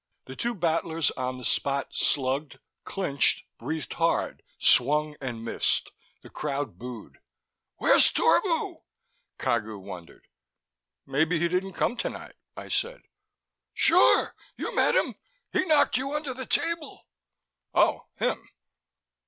The two battlers on the Spot slugged, clinched, breathed hard, swung and missed; the crowd booed. "Where's Torbu?" Cagu wondered. "Maybe he didn't come tonight," I said. "Sure, you met him; he knocked you under the table." "Oh, him?"